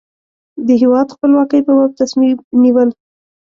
د هېواد خپلواکۍ په باب تصمیم نیول.